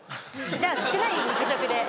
じゃあ少ない肉食で。